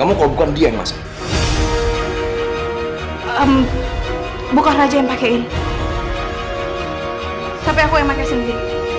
aku yang pake sendiri